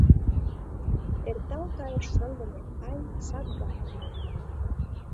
Эртал кайыш шындыме, ай, сад гане.